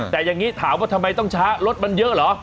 แต่อย่างนี้ถามว่าทำไมต้องช้ารถมันเยอะเหรอ